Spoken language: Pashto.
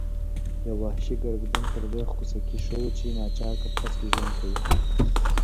یو وحشي ګرګدن تر دې خوسکي ښه و چې ناچار قفس کې ژوند کوي.